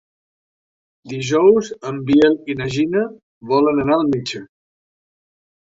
Dijous en Biel i na Gina volen anar al metge.